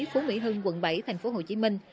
phố mỹ hưng quận bảy tp hcm